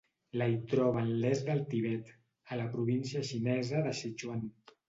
La hi troba en l'est del Tibet, a la província xinesa de Sichuan.